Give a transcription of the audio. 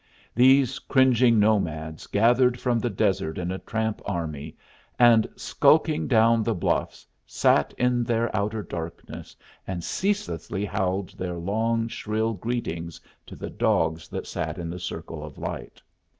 These cringing nomads gathered from the desert in a tramp army, and, skulking down the bluffs, sat in their outer darkness and ceaselessly howled their long, shrill greeting to the dogs that sat in the circle of light.